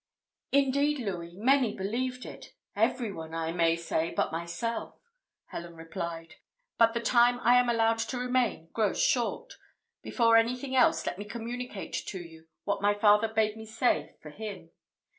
"Indeed, Louis, many believed it everyone, I may say, but myself," Helen replied; "but the time I am allowed to remain grows short. Before anything else, let me communicate to you what my father bade me say for him.